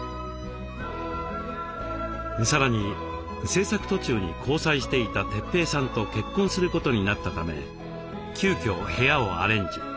さらに製作途中に交際していた哲平さんと結婚することになったため急遽部屋をアレンジ。